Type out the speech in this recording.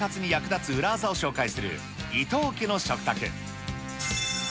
生活に役立つ裏ワザを紹介する、伊東家の食卓。